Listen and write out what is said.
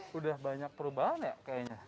sudah banyak perubahan ya kayaknya